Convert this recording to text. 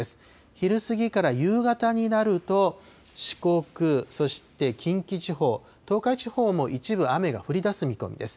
昼過ぎから夕方になると、四国、そして近畿地方、東海地方も一部雨が降りだす見込みです。